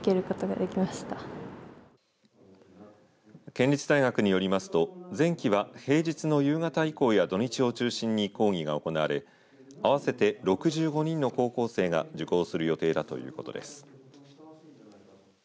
県立大学によりますと前期は平日の夕方以降や土日を中心に講義が行われ合わせて６５人の高校生が受講する予定だということです。